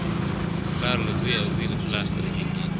پلار له زوی او زوی له پلار سره جنګیږي `